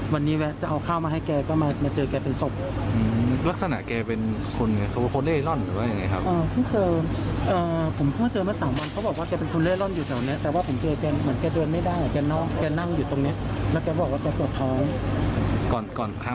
๒๓วันที่แล้วครับ